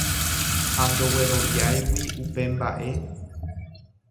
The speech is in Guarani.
ha ndogueroviáigui upe mba'e